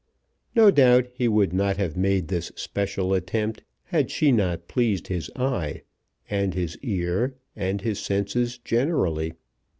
No doubt he would not have made this special attempt had she not pleased his eye, and his ear, and his senses generally.